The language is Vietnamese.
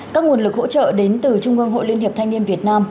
các nguồn lực hỗ trợ đến từ trung ương hội liên hiệp thanh niên việt nam